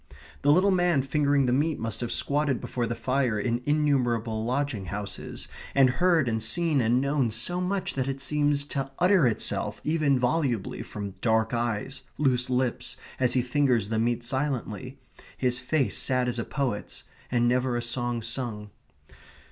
The little man fingering the meat must have squatted before the fire in innumerable lodging houses, and heard and seen and known so much that it seems to utter itself even volubly from dark eyes, loose lips, as he fingers the meat silently, his face sad as a poet's, and never a song sung.